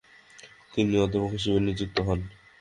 তিনি অধ্যাপক হিসেবে নিযুক্ত হন।